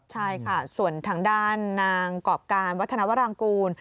ใช่ค่ะส่วนทางด้านนางกรอบการวัฒนาวรางกูล